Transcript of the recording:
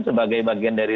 sebagai bagian dari